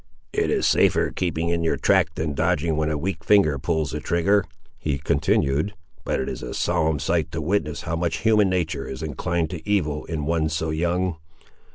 "It is safer keeping in your track than dodging when a weak finger pulls the trigger," he continued "but it is a solemn sight to witness how much human natur' is inclined to evil, in one so young!